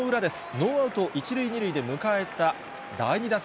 ノーアウト１塁２塁で迎えた第２打席。